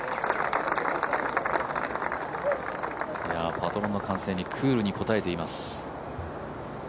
パトロンの歓声にクールに応えています。